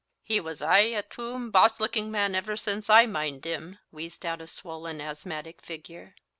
"He was aye a tume, boss looking man ever since I mind him," wheezed out a swollen asthmatic figure.